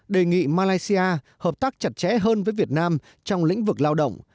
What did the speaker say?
đề nghị malaysia hợp tác chặt chẽ hơn với việt nam trong lĩnh vực lao động